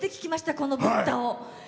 この「ブッダ」を。